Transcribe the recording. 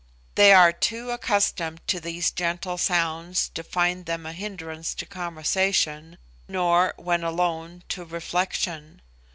They are too accustomed to these gentle sounds to find them a hindrance to conversation, nor, when alone, to reflection.